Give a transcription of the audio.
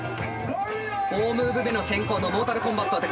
４ムーブ目の先攻のモータルコンバット終わって